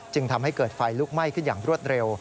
จึงทำให้เกิดไฟลุกไหม้ขึ้นอย่างรวดเร็ว